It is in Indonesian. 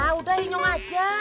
ah udah inyong aja